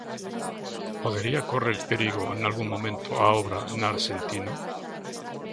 Podería correr perigo nalgún momento a obra na Arxentina?